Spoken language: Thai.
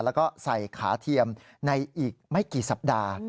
แล้วก็ใส่ขาเทียมในอีกไม่กี่สัปดาห์